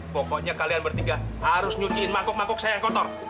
pokoknya kalian bertiga harus nyuciin mangkuk mangkok saya yang kotor